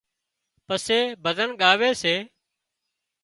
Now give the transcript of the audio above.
پسي ڀزن ڳاوي سي